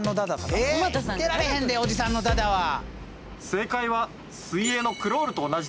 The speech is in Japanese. え見てられへんでおじさんのだだは。